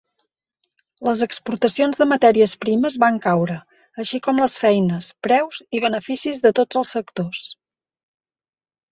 Les exportacions de matèries primes van caure, així com les feines, preus i beneficis de tots els sectors.